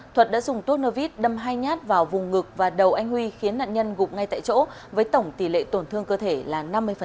thuật đã dùng tua vít đâm hai nhát vào vùng ngực và đầu anh huy khiến nạn nhân gục ngay tại chỗ với tổng tỷ lệ tổn thương cơ thể là năm mươi